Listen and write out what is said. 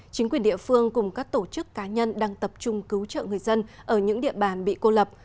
chính quyền địa phương cùng các tổ chức cá nhân đang tập trung cứu trợ người dân ở những địa bàn bị cô lập